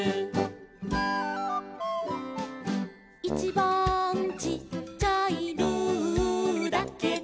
「いちばんちっちゃい」「ルーだけど」